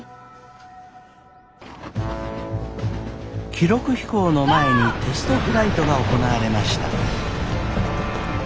記録飛行の前にテストフライトが行われました。